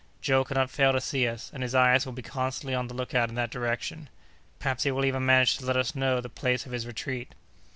Joe cannot fail to see us, and his eyes will be constantly on the lookout in that direction. Perhaps he will even manage to let us know the place of his retreat."